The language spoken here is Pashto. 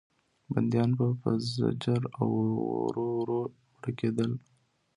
بندیان به په زجر او ورو ورو مړه کېدل.